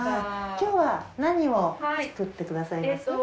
今日は何を作ってくださいます？